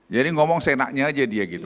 jadi ngomong senaknya aja dia gitu